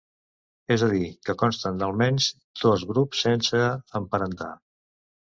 És a dir, que consten d'almenys dos grups sense emparentar.